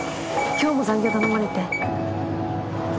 今日も残業頼まれて。